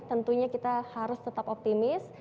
tentunya kita harus tetap optimis